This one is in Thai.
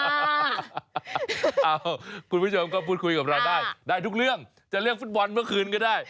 คุณผู้ชมก็พูดคุยกับเราได้ได้ทุกเรื่องจะเรื่องฟุตบอลเมื่อคืนก็ได้